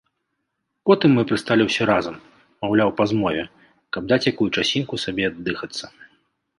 Потым мы прысталі ўсе разам, маўляў па змове, каб даць якую часінку сабе аддыхацца.